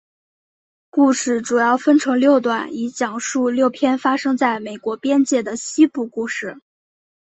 故事主要分成六段以讲述六篇发生在美国边界的西部故事。